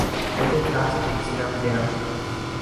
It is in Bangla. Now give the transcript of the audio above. ওদের কাজ দেখছিলাম যে আমি।